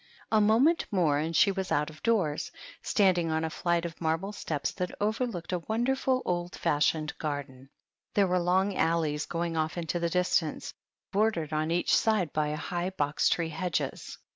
A moment more and she was out of doors, standing on a flight of marble steps that over looked a wonderful old fashioned garden; there were long alleys going off* into the distance, bor dered on each side by high box tree hedges.